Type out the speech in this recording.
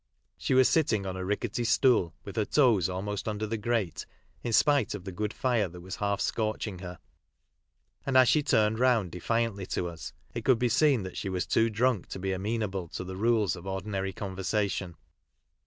She was sitting on a ricketty stool, with her toes almost under tho grate, in spite of the good fire that was half scorching her ; and as she turned round defiantly to us it could be seen that she was too drunk to be amenable to the rules of ordinary conversation.